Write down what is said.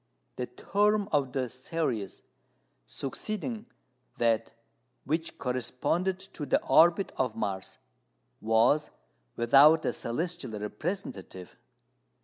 The term of the series succeeding that which corresponded to the orbit of Mars was without a celestial representative.